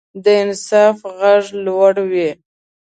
د انصاف غږ لوړ وي